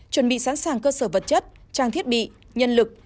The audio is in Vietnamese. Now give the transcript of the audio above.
chuẩn bị sẵn sàng cơ sở vật chất trang thiết bị nhân lực